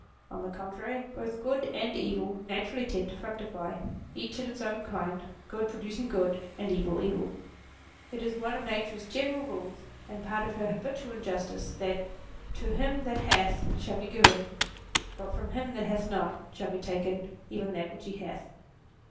On the contrary, both good and evil naturally tend to fructify, each in its own kind, good producing good, and evil, evil. It is one of Nature's general rules, and part of her habitual injustice, that " to him that hath shall be given, but from him that hath not, shall be taken even that which he hath."